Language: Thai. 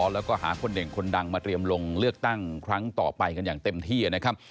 แล้วก็หาคนเด่งคนดังมาเตรียมลงเลือกตั้งครั้งต่อไปกันอย่างเต็มที่นะครับ